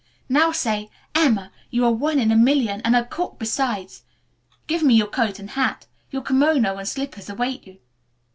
Now say, 'Emma, you are one in a million, and a cook besides.' Give me your coat and hat. Your kimono and slippers await you."